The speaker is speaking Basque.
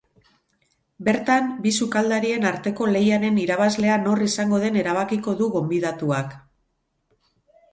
Bertan, bi sukaldarien arteko lehiaren irabazlea nor izango den erabakiko du gonbidatuak.